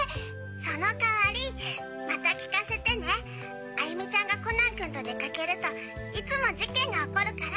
その代わりまた聞かせてね歩美ちゃんがコナン君と出かけるといつも事件が起こるから！